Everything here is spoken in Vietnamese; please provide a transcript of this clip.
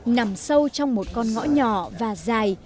nằm sâu trong một con ngõ nhỏ và dài